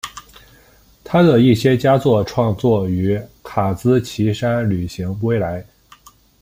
他的一些佳作创作于卡兹奇山旅行归来。